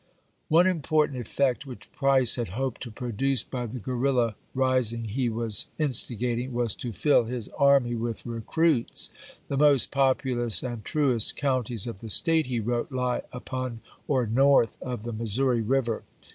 One important effect which Price hoped to pro duce by the guerrilla rising he was instigating was HALLECK 91 to fill his army with recruits. " The most populous chap. v. and truest counties of the State," he wrote, "lie upon or north of the Missouri River.